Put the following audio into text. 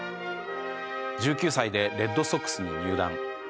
１９歳でレッドソックスに入団。